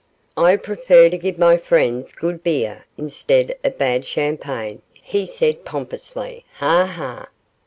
'I prefer to give my friends good beer instead of bad champagne,' he said, pompously. 'Ha! ha!